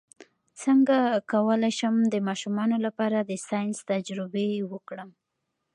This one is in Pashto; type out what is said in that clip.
څنګه کولی شم د ماشومانو لپاره د ساینس تجربې وکړم